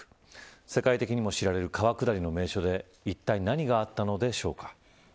世界的にも知られる川下りの名所でいったい何があったのでしょうか。